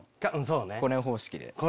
これ方式で。